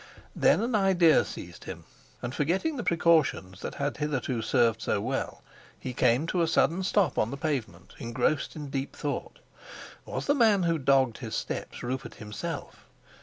Then an idea seized him, and, forgetting the precautions that had hitherto served so well, he came to a sudden stop on the pavement, engrossed in deep thought. Was the man who dogged his steps Rupert himself?